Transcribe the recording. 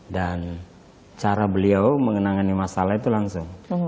dan cara beliau menangani masalah itu langsung